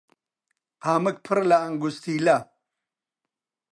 قامک پڕ لە ئەنگوستیلە